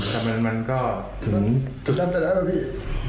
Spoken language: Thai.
ทำแล้วมันก็ถึงจุดนั้นไปแล้วมันพี่